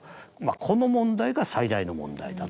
この問題が最大の問題だと。